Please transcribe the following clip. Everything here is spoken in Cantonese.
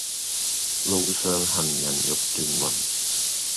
路上行人欲斷魂